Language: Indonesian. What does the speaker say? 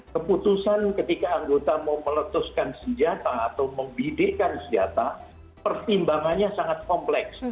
keputusan ketika anggota mau meletuskan senjata atau membidikkan senjata pertimbangannya sangat kompleks